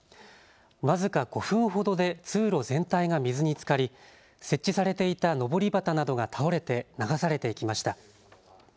僅か５分ほどで通路全体が水につかり、設置されていたのぼり旗などが倒れて流されていきました。